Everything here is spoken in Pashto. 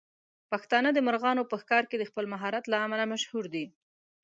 پښتانه د مرغانو په ښکار کې د خپل مهارت له امله مشهور دي.